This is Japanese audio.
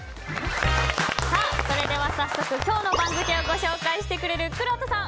それでは早速今日の番付を紹介してくれるくろうとさん